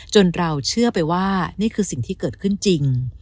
เราเชื่อไปว่านี่คือสิ่งที่เกิดขึ้นจริง